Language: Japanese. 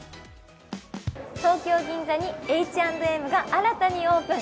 東京・銀座にＨ＆Ｍが新たにオープン。